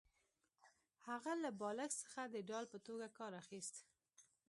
هغه له بالښت څخه د ډال په توګه کار اخیست